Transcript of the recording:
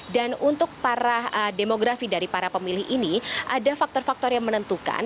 dan untuk demografi dari para pemilih ini ada faktor faktor yang menentukan